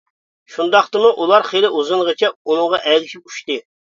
شۇنداقتىمۇ ئۇلار خېلى ئۇزۇنغىچە ئۇنىڭغا ئەگىشىپ ئۇچتى.